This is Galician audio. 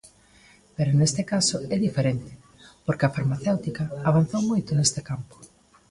Pero neste caso é diferente, porque a farmacéutica avanzou moito neste campo.